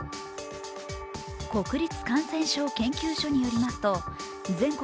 国立感染症研究所によりますと全国